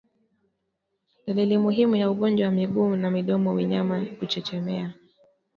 Dalili muhimu ya ugonjwa wa miguu na midomo ni wanyama kuchechemea